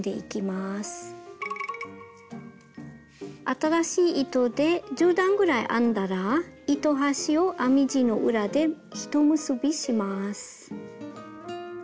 新しい糸で１０段ぐらい編んだら糸端を編み地の裏で一結びします。